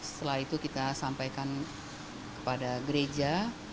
setelah itu kita sampaikan kepada gereja